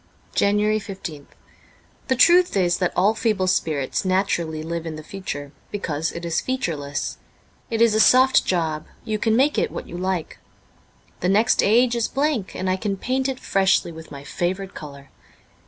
'* »S JANUARY 15th THE truth is that all feeble spirits naturally live in the future, because it is featureless ; it is a soft job ; you can make it what you like. The next age is blank, and I can paint it freshly with my favourite colour.